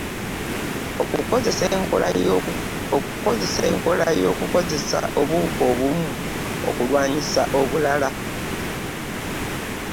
Okukozesa enkola y’okukozesa obuwuka obumu okulwanyisa obulala